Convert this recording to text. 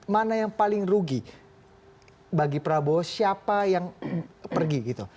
mana yang paling rugi bagi prabowo siapa yang pergi gitu